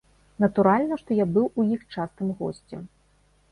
Натуральна, што я быў у іх частым госцем.